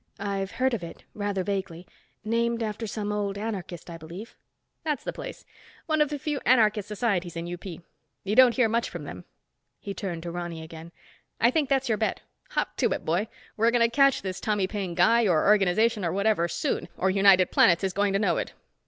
"I've heard of it, rather vaguely. Named after some old anarchist, I believe." "That's the place. One of the few anarchist societies in UP. You don't hear much from them." He turned to Ronny again. "I think that's your bet. Hop to it, boy. We're going to catch this Tommy Paine guy, or organization, or whatever, soon or United Planets is going to know it.